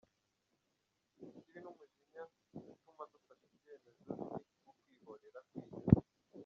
Ikibi numujinya utuma dufata ibyemezo bibi nko kwihorera, kwiheba,.